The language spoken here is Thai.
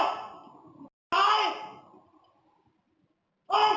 ก็อาการต้องมีเทวฟ้าครับ